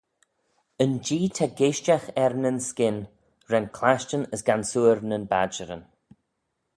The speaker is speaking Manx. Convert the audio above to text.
Yn Jee ta geaishtagh er nyn skyn ren clashtyn as gansoor nyn badjeryn.